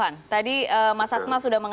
oke terima kasih sebenarnya yang banyak